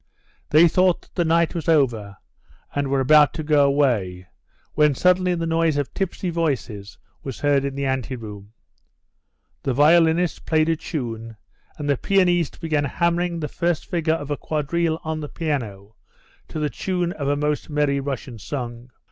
They thought that the night was over, and were about to go away, when suddenly the noise of tipsy voices was heard in the ante room. The violinist played a tune and the pianiste began hammering the first figure of a quadrille on the piano, to the tune of a most merry Russian song.